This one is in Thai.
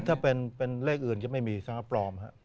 ถ้าเป็นเลขอื่นอย่างปลอม